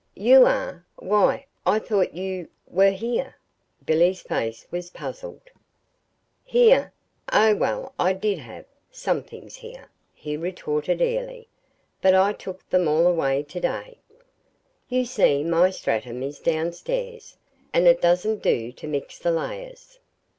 "You are? Why, I thought you were here." Billy's face was puzzled. "Here? Oh, well, I did have some things here," he retorted airily; "but I took them all away to day. You see, my stratum is down stairs, and it doesn't do to mix the layers.